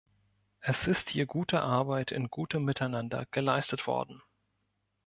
Es ist hier gute Arbeit in gutem Miteinander geleistet worden.